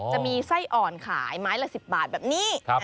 จะมีไส้อ่อนขายไม้ละ๑๐บาทแบบนี้